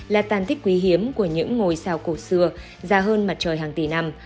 là tàn tích quý hiếm của những ngôi sao cổ xưa già hơn mặt trời hàng tỷ năm